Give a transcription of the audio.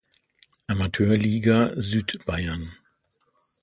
Amateurliga Südbayern.